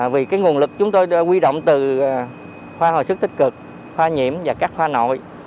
vì cái nguồn lực chúng tôi quy động từ khoa hồi sức tích cực khoa nhiễm và các khoa nội